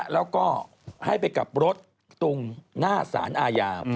แล้วก็ให้ไปกลับรถตรงหน้าสารอาญา